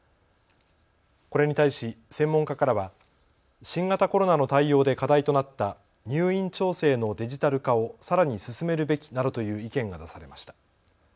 これに対し専門家からは新型コロナの対応で課題となった入院調整のデジタル化をさらに進めるべきなどという意見が出されました。